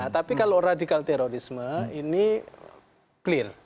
tapi kalau radikal terorisme ini clear